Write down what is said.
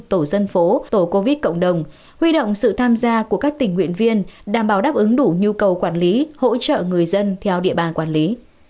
tổ dân phố tổ covid cộng đồng huy động sự tham gia của các tình nguyện viên đảm bảo đáp ứng đủ nhu cầu quản lý hỗ trợ người dân theo địa bàn quản lý